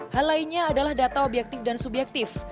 hal lainnya adalah data objektif dan subjektif